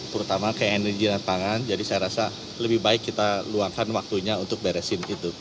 terutama ke energi dan pangan jadi saya rasa lebih baik kita luangkan waktunya untuk beresin itu